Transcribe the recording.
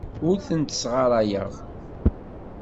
Ur tent-ssɣarayeɣ.